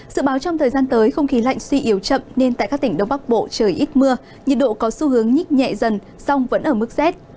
sự báo trong thời gian tới không khí lạnh suy yếu chậm nên tại các tỉnh đông bắc bộ trời ít mưa nhiệt độ có xu hướng nhích nhẹ dần song vẫn ở mức rét